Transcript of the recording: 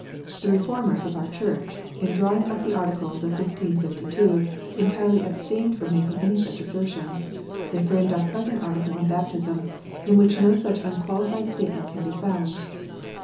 The Reformers of our Church, in drawing up the Articles of 1552, entirely abstained from making any such assertion. They framed our present Article on baptism, in which no such unqualified statement can be found.